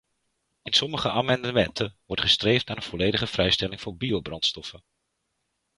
In sommige amendementen wordt gestreefd naar een volledige vrijstelling voor biobrandstoffen.